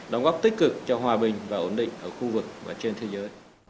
đóng góp tích cực cho hòa bình và ổn định ở khu vực và trên thế giới